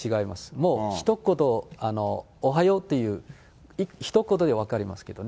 もう、ひと言おはようっていう、ひと言で分かりますけどね。